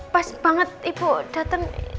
pas banget ibu datang